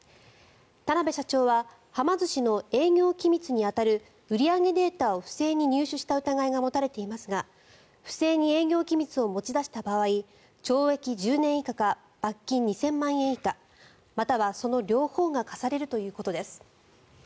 田邊社長ははま寿司の営業機密に当たる売り上げデータを不正に入手した疑いが持たれていますが不正に営業機密を持ち出した場合懲役１０年以下か罰金２０００万円以下またはその両方が科されるということです。